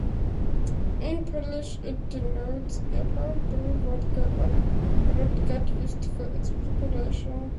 In Polish it denotes a home-brew vodka or rotgut used for its preparation.